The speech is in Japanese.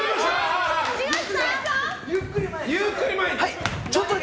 ゆっくり前に。